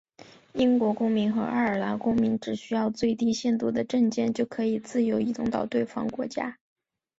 英国公民和爱尔兰公民只需要最低限度的证件就可以自由移动到对方国家。